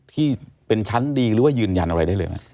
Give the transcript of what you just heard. ที่เป็นชั้นดีหรือว่ายืนยันอะไรได้เลยไหม